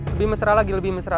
lebih mesra lagi lebih mesra